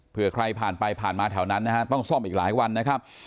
เพื่อใครผ่านไปผ่านมาแถวนั้นนะฮะต้องซ่อมอีกหลายวันนะครับ